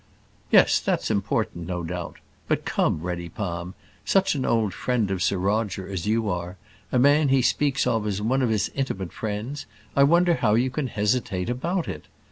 "Yes, that's important, no doubt. But come, Reddypalm, such an old friend of Sir Roger as you are, a man he speaks of as one of his intimate friends, I wonder how you can hesitate about it?